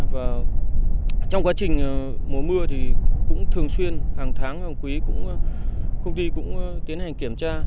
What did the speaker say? và trong quá trình mùa mưa thì cũng thường xuyên hàng tháng hàng quý cũng công ty cũng tiến hành kiểm tra